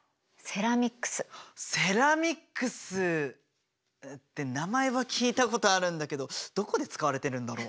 セラミックスって名前は聞いたことあるんだけどどこで使われてるんだろ？